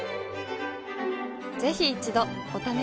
ぜひ一度お試しを。